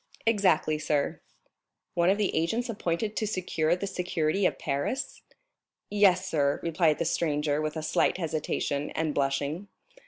"Exactly, sir." "One of the agents appointed to secure the safety of Paris?" "Yes, sir" replied the stranger with a slight hesitation, and blushing.